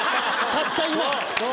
たった今！